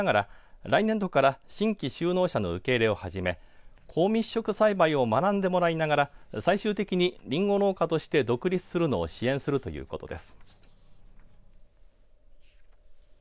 企業では今後栽培面積を増やしながら来年度から新規就農者の受け入れを始め高密植栽培を学んでもらいながら最終的に、りんご農家として独立するのを支援するということです。